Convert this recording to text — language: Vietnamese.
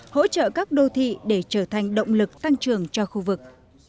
hỗ trợ các đô thị để trở thành động lực tăng trưởng cho khu vực